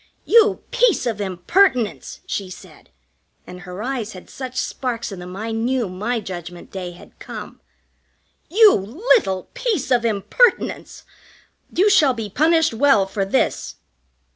"You piece of impertinence!" she said, and her eyes had such sparks in them I knew my judgment day had come. "You little piece of impertinence! You shall be punished well for this."